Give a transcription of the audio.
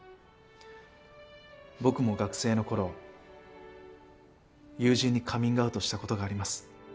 僕も学生の頃友人にカミングアウトした事があります。